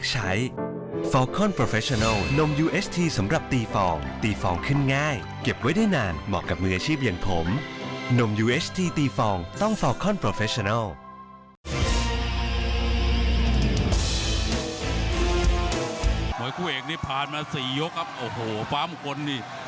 มวยคู่เอกนี่ผ่านมา๔ยกครับโอ้โหฟ้ามงคลนี่